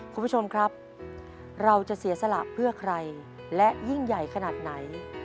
คุณผู้ชมครับเราจะเสียสละเพื่อใครและยิ่งใหญ่ขนาดไหน